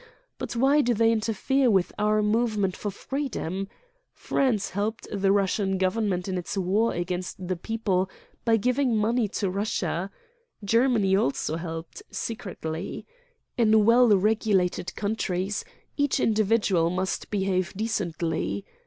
But why do they interfere with our movement for freedom? France helped the Russian Government in its war against the peo ple by giving money to Russia. Germany also xiv Preface helped secretly. In well regulated countries each individual must behave decently.